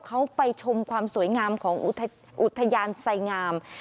เขาไปชมความสวยงามของอุทยานไสงาม